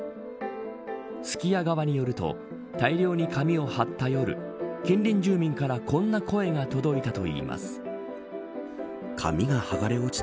すき家側によると大量に紙を貼った夜近隣住民からこんな声が届いたといいます。